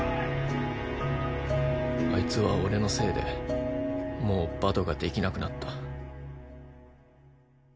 あいつは俺のせいでもうバドができなくなった。